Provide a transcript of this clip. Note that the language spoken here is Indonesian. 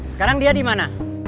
sekarang dia dimana